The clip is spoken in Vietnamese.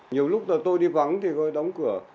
nhiều lúc là tôi đi vắng thì gọi đóng cửa